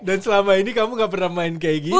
dan selama ini kamu gak pernah main kayak gitu ya kan